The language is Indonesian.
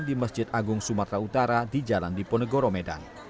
di masjid agung sumatera utara di jalan diponegoro medan